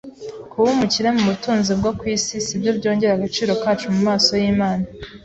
Kuba umukire mu butunzi bwo ku isi si byo byongera agaciro kacu mu maso y’Imana